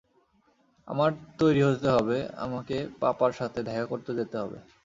আমার তৈরি হতে হবে আমাকে পাপার সাথে দেখা করতে যেতে হবে।